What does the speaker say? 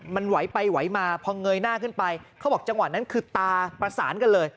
มันไหวไปไหวมาพอเงยหน้าขึ้นไปเขาบอกจังหวะนั้นคือตาประสานกันเลย